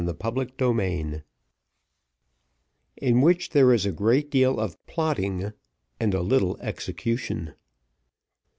Chapter XVII In which there is a great deal of plotting, and a little execution.